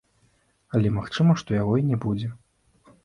Але магчыма, што яго і не будзе.